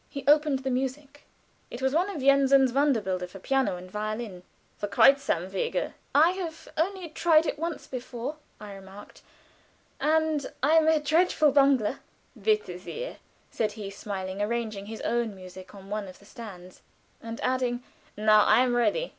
He opened the music. It was one of Jensen's "Wanderbilder" for piano and violin the "Kreuz am Wege." "I have only tried it once before," I remarked, "and I am a dreadful bungler." "Bitte sehr!" said he, smiling, arranging his own music on one of the stands and adding, "Now I am ready."